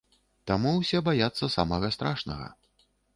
Таму ўсе баяцца самага страшнага.